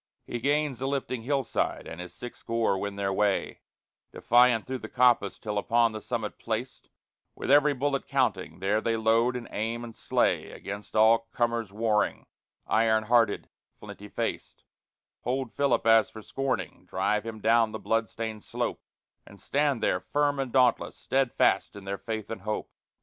He gains the lifting hillside, and his sixscore win their way Defiant through the coppice till upon the summit placed; With every bullet counting, there they load and aim and slay, Against all comers warring, iron hearted, flinty faced; Hold Philip as for scorning, drive him down the bloodstained slope, And stand there, firm and dauntless, steadfast in their faith and hope.